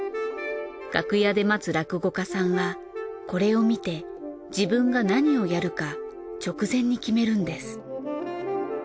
楽屋で待つ落語家さんはこれを見て自分が何をやるか直前に決めるんです。